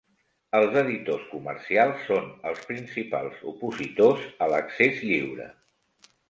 Els editors comercials són els principals opositors a l'accés lliure.